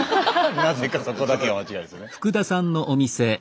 なぜかそこだけは間違えるんですね。